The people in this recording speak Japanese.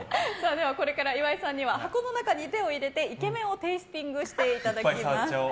では、これから岩井さんには箱の中に手を入れてイケメンをテイスティングしていただきます。